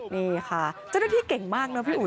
นี่ค่ะเจ้าหน้าที่เก่งมากนะพี่อุ๋